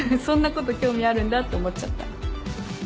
そんなこと興味あるんだって思っちゃった。